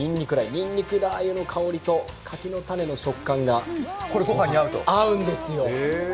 にんにくラー油の香りと柿の種の食感がごはんに合うんですよ。